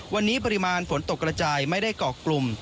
วันนี้ปริมาณฝนตกกระจายไม่ได้เกาะกลุ่ม